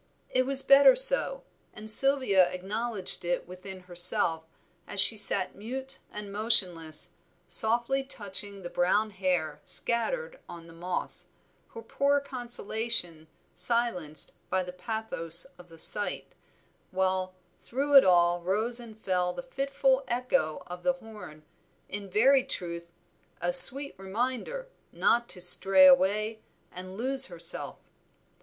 It was better so, and Sylvia acknowledged it within herself as she sat mute and motionless, softly touching the brown hair scattered on the moss, her poor consolation silenced by the pathos of the sight, while through it all rose and fell the fitful echo of the horn, in very truth "a sweet reminder not to stray away and lose herself."